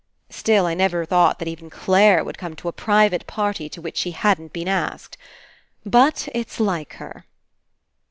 Still, I never thought that even Clare would come to a private party to which she hadn't been asked. But, it's like her."